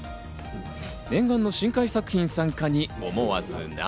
念願の新海作品参加に、思わず涙。